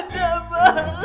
nggak ada apa